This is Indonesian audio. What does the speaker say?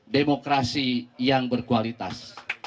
demokrasi yang berkualitas